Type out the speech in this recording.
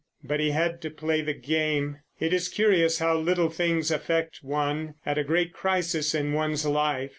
But he had to play the game! It is curious how little things affect one at a great crisis of one's life.